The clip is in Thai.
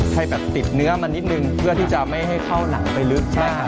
ให้แบบติดเนื้อมานิดนึงเพื่อที่จะไม่ให้เข้าหนังไปลึกนะครับ